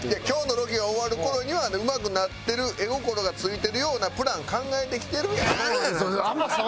今日のロケが終わる頃にはうまくなってる絵心がついてるようなプラン考えてきてるやん！